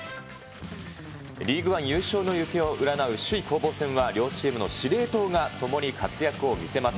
リーグワン優勝の行方を占う首位攻防戦は、両チームの司令塔がともに活躍を見せます。